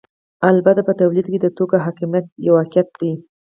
البته په تولید کې د توکو حاکمیت یو واقعیت دی